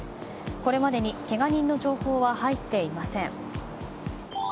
これまでに、けが人の情報は入っていません。